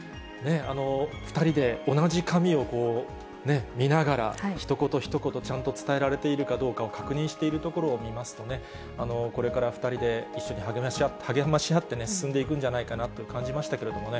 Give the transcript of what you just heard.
２人で同じ紙を見ながら、ひと言ひと言、ちゃんと伝えられているかどうかを確認しているところを見ますとね、これから２人で一緒に励まし合ってね、進んでいくんじゃないかなと感じましたけれどもね。